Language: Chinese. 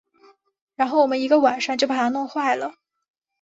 然后我们一个晚上就把它弄坏了